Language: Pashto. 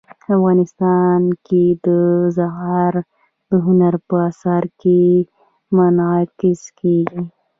افغانستان کې زغال د هنر په اثار کې منعکس کېږي.